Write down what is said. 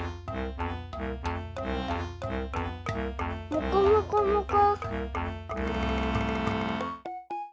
もこもこもこ。